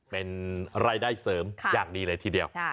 เป็นรายได้เสริมอย่างดีเลยทีเดียว